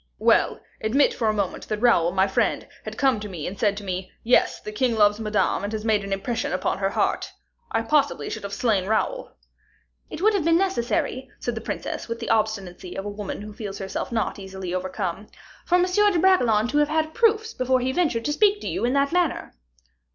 "Well; admit for a moment that Raoul, my friend, had come and said to me, 'Yes, the king loves Madame, and has made an impression upon her heart,' I possibly should have slain Raoul." "It would have been necessary," said the princess, with the obstinacy of a woman who feels herself not easily overcome, "for M. de Bragelonne to have had proofs before he ventured to speak to you in that manner."